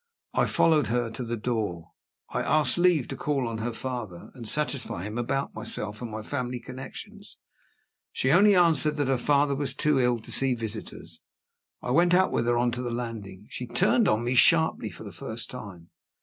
I followed her to the door. I asked leave to call on her father, and satisfy him about myself and my family connections. She only answered that her father was too ill to see visitors. I went out with her on to the landing. She turned on me sharply for the first time.